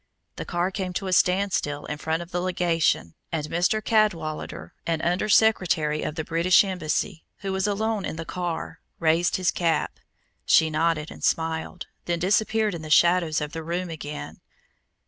The car came to a standstill in front of the legation, and Mr. Cadwallader, an under secretary of the British embassy, who was alone in the car, raised his cap. She nodded and smiled, then disappeared in the shadows of the room again.